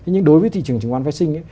nhưng đối với thị trường chứng quan vệ sinh